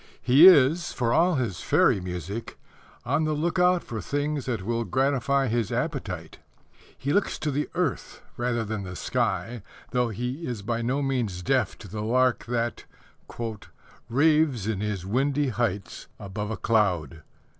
He is, for all his fairy music, on the look out for things that will gratify his appetite. He looks to the earth rather than the sky, though he is by no means deaf to the lark that Raves in his windy heights above a cloud.